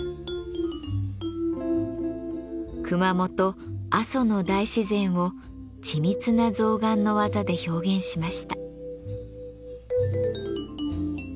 熊本・阿蘇の大自然を緻密な象がんの技で表現しました。